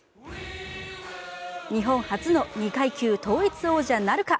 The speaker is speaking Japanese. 日本初の２階級統一王者なるか。